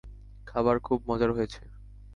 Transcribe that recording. খাবার খুব মজার হয়েছে।